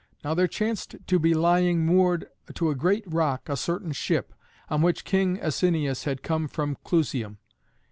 Now there chanced to be lying moored to a great rock a certain ship, on which King Asinius had come from Clusium.